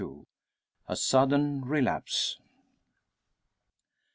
A SUDDEN RELAPSE.